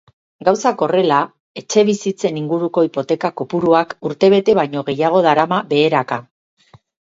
Gauzak horrela, etxebizitzen inguruko hipoteka kopuruak urtebete baino gehiago darama beheraka.